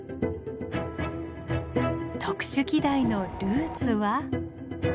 特殊器台のルーツは。